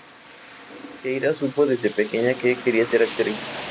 Keira supo desde pequeña que quería ser actriz.